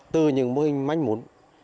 từ những mô hình mánh muốn